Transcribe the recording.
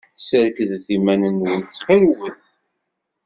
Serkdet iman-nwen, ttxil-wet.